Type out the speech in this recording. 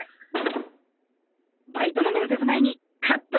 バイトの面接前にカットよろしく。